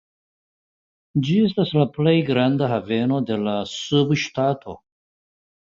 Ĝi estas la plej granda haveno de la subŝtato.